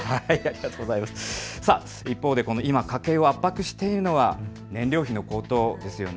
一方で今、家計を圧迫しているのは燃料費の高騰ですよね。